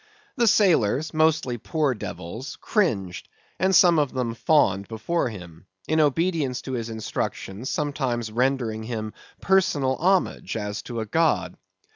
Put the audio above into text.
The sailors, mostly poor devils, cringed, and some of them fawned before him; in obedience to his instructions, sometimes rendering him personal homage, as to a god.